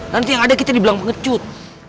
nanti yang ada kita dibilang pengecut